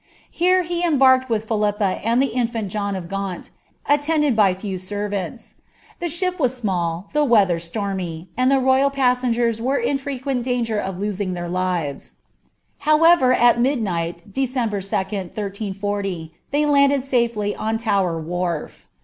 Here he embariLed with Philippa and the infimt John of Gaunt, attended by a few senrants. The ship was small, the weather stormy, and the royal passeng^ers were in frequent danger of losing their lives : however, at midnight, December 2, 1840, they landed safely on Tower wharf.